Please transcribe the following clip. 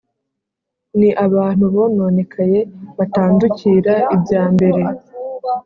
ni abantu bononekaye batandukira ibya mbere.